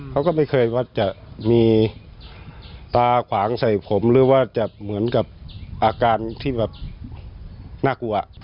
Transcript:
เขาก็ไม่เคยว่าจะมีตาขวางใส่ผมหรือว่าจะเหมือนกับอาการที่แบบน่ากลัว